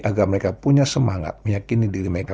agar mereka punya semangat meyakini diri mereka